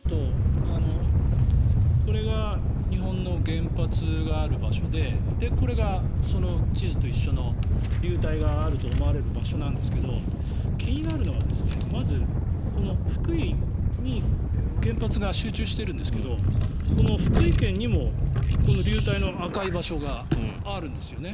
これが日本の原発がある場所でこれがその地図と一緒の流体があると思われる場所なんですが気になるのは、まず福井に原発が集中しているんですが福井県にも流体の赤い場所があるんですよね。